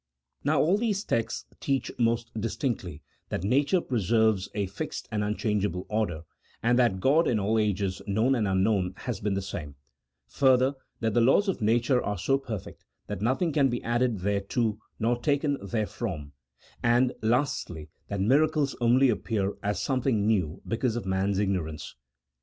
Now all these texts teach most distinctly that nature preserves a fixed and unchangeable order, and that God in all ages, known and unknown, has been the same ; further, that the laws of nature are so perfect, that nothing can be added thereto nor taken therefrom ; and, lastly, that miracles only appear as something new because of man's ignorance.